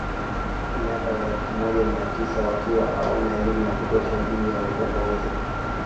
Miaka ya elfu moja mia tisa wakiwa hawana elimu ya kutosha juu ya ukombozi